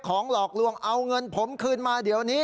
หลอกลวงเอาเงินผมคืนมาเดี๋ยวนี้